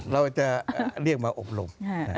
เราจะเรียกมาอบรม